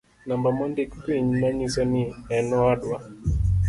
Namba mondik piny manyiso ni en owadwa